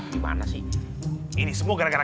gimana sih ini semua gara gara